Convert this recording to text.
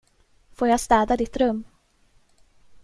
Får jag städa ditt rum?